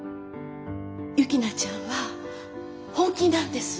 雪菜ちゃんは本気なんです！